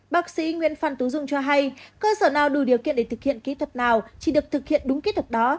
bác sĩ nguyễn phan tú dung cho hay cơ sở nào đủ điều kiện để thực hiện kỹ thuật nào chỉ được thực hiện đúng kết hợp đó